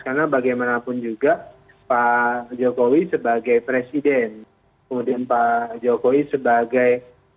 karena bagaimanapun juga pak jokowi sebagai presiden kemudian pak jokowi sebagai